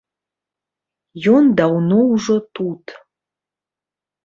Ён даўно ўжо тут.